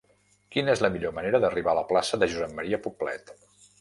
Quina és la millor manera d'arribar a la plaça de Josep M. Poblet?